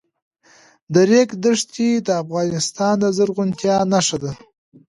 د ریګ دښتې د افغانستان د زرغونتیا نښه ده.